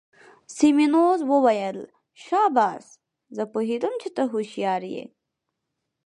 سیمونز وویل: شاباس، زه پوهیدم چي ته هوښیار يې.